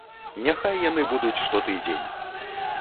Няхай яны будуць штотыдзень!